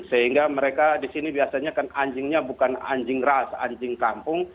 sehingga mereka di sini biasanya kan anjingnya bukan anjing ras anjing kampung